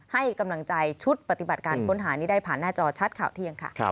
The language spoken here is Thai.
ให้กำลังใจชุดปฏิบัติการค้นหานี้ได้ผ่านหน้าจอชัดข่าวเที่ยงค่ะ